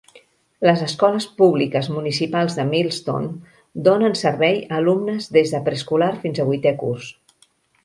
Les escoles públiques municipals de Millstone donen servei a alumnes des de preescolar fins a vuitè curs.